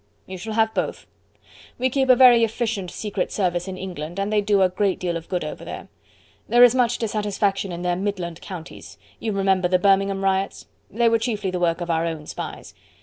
"You shall have both. We keep a very efficient secret service in England and they do a great deal of good over there. There is much dissatisfaction in their Midland counties you remember the Birmingham riots? They were chiefly the work of our own spies.